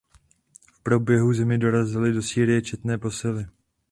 V průběhu zimy dorazily do Sýrie četné posily.